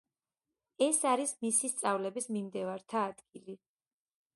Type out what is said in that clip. ეს არის მისი სწავლების მიმდევართა ადგილი.